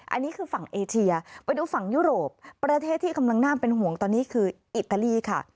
อันนี้คือฝั่งเอเชียไปดูฝั่งยุโรปประเทศที่กำลังน่าเป็นห่วงตอนนี้คืออิตาลีค่ะ